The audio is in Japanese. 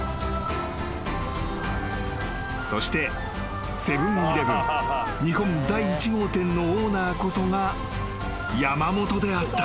［そしてセブン―イレブン日本第１号店のオーナーこそが山本であった］